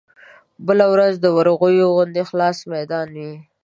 بله ورځ د ورغوي غوندې خلاص ميدان وي.